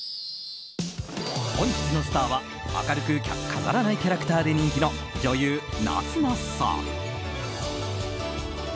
本日のスターは明るく飾らないキャラクターで人気の女優・夏菜さん。